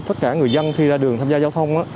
tất cả người dân khi ra đường tham gia giao thông á